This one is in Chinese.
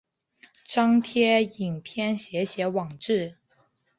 张贴影片写写网志